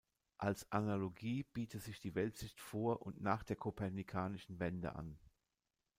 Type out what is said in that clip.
Als Analogie biete sich die Weltsicht vor und nach der kopernikanischen Wende an.